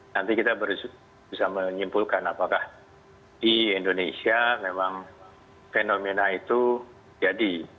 nanti kita bisa menyimpulkan apakah di indonesia memang fenomena itu jadi